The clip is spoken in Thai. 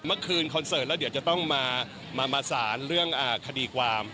เมื่อคืนคอนเสิร์ตแล้วเดียวจะต้องมาสานเรื่องคดีกวาม